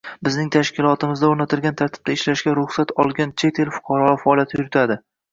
Bizning tashkilotimizda o‘rnatilgan tartibda ishlashga ruxsat olgan chet el fuqarolari faoliyat yuritadi.